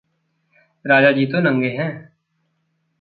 राजाजी तो नंगे हैं!